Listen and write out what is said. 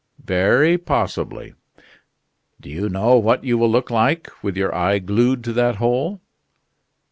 "Very possibly." "Do you know what you will look like, with your eye glued to that hole?"